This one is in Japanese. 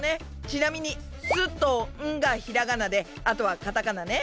ちなみに「す」と「ん」がひらがなであとはカタカナね。